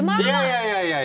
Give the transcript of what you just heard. いやいやいやいや。